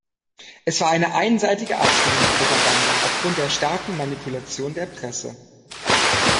Es war eine einseitige Abstimmungspropaganda aufgrund der starken Manipulation der Presse.